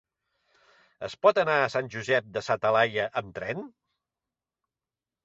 Es pot anar a Sant Josep de sa Talaia amb tren?